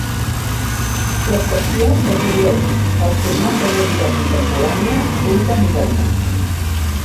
L"estació reprodueix el format de música contemporània adulta moderna.